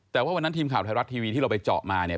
แต่ว่าวันนั้นทีมข่าวไทยรัฐทีวีที่เราไปเจาะมาเนี่ย